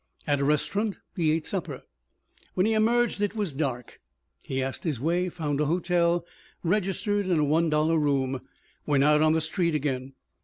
At a restaurant he ate supper. When he emerged, it was dark. He asked his way, found a hotel, registered in a one dollar room, went out on the street again.